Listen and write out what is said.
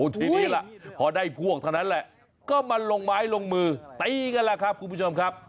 ทีนี้ล่ะพอได้พวกเท่านั้นแหละก็มาลงไม้ลงมือตีกันแหละครับคุณผู้ชมครับ